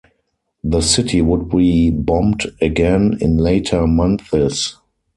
The city would be bombed again in later months.